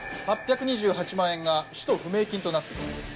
８２８万円が使途不明金となっています。